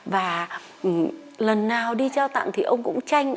và lần nào đi trao tặng thì ông cũng tranh